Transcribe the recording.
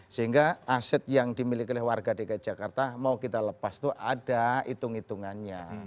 sehingga aset yang dimiliki oleh warga dki jakarta mau kita lepas itu ada hitung hitungannya